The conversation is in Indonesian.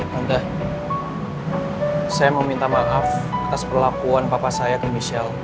tante saya mau minta maaf atas perlakuan papa saya ke michelle